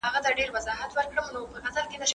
فشار پټول ستونزه حل نه کوي.